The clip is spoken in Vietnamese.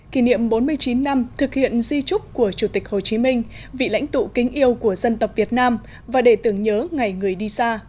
kỷ niệm bốn mươi chín năm thực hiện di trúc của chủ tịch hồ chí minh vị lãnh tụ kính yêu của dân tộc việt nam và để tưởng nhớ ngày người đi xa